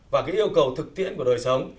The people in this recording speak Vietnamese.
và cái yêu cầu thực tiễn của đời sống